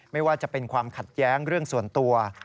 ไม่ว่าจะเป็นความขัดแย้งเรื่องส่วนตัว